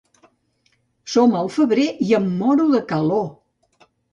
Som al febrer i em moro de calor!